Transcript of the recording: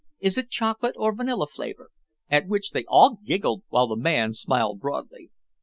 "Is it chocolate or vanilla flavor?" At which they all giggled, while the man smiled broadly.